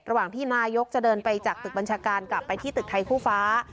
ที่นายกจะเดินไปจากตึกบัญชาการกลับไปที่ตึกไทยคู่ฟ้า